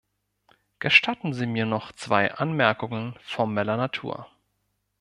Gestatten Sie mir noch zwei Anmerkungen formeller Natur.